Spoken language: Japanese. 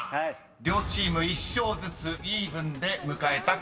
［両チーム１勝ずつイーブンで迎えたこの対決です］